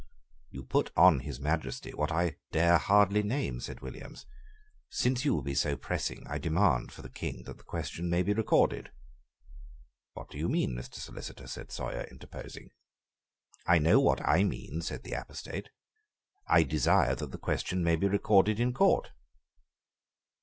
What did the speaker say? "You put on His Majesty what I dare hardly name," said Williams: "since you will be so pressing, I demand, for the King, that the question may be recorded." "What do you mean, Mr. Solicitor?" said Sawyer, interposing. "I know what I mean," said the apostate: "I desire that the question may be recorded in Court."